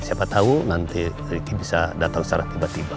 siapa tahu nanti ricky bisa datang secara tiba tiba